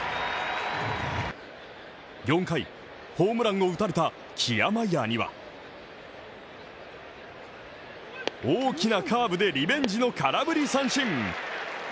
４回、ホームランを打たれたキアマイヤーには大きなカーブでリベンジの空振り三振。